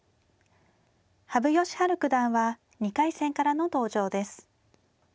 羽生善治九段は２回戦からの登場です。